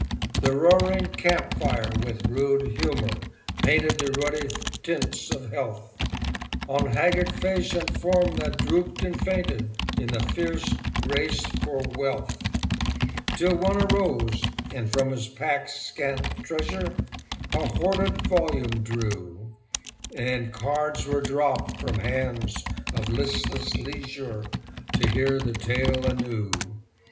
The roaring camp fire, with rude humour, painted The ruddy tints of health On haggard face and form that drooped and fainted In the fierce race for wealth; Till one arose, and from his pack's scant treasure A hoarded volume drew, And cards were dropped from hands of listless leisure To hear the tale anew.